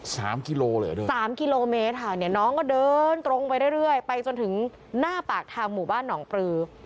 สามกิโลเมตรน้องก็เดินตรงไปเรื่อยไปจนถึงหน้าปากทางหมู่บ้านหนองปรือ